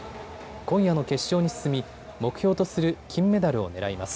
今夜の決勝に進み目標とする金メダルを狙います。